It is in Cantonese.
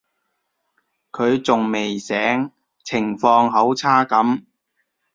佢仲未醒，情況好差噉